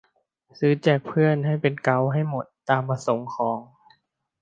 ซื้อแจกเพื่อน ให้เป็นเก๊าท์ให้หมด ตามประสงค์ของ